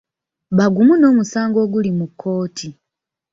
Bagumu n'omusango oguli mu kkooti.